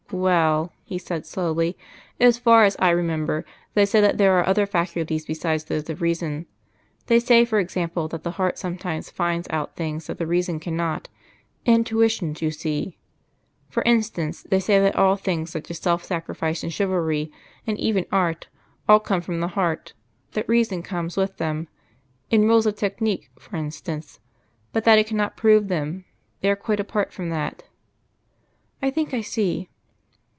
"Well," he said slowly, "as far as I remember, they say that there are other faculties besides those of reason. They say, for example, that the heart sometimes finds out things that the reason cannot intuitions, you see. For instance, they say that all things such as self sacrifice and chivalry and even art all come from the heart, that Reason comes with them in rules of technique, for instance but that it cannot prove them; they are quite apart from that." "I think I see."